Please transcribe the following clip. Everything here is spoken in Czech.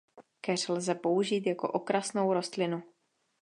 Keř lze použít jako okrasnou rostlinu.